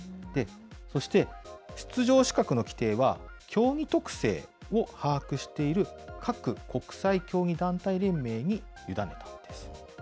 そして、出場資格の規定は、競技特性を把握している各国際競技団体連盟に委ねたんです。